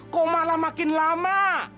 kok malah makin lama